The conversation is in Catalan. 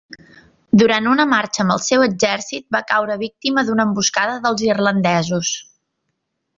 Durant una marxa amb el seu exèrcit va caure víctima d'una emboscada dels irlandesos.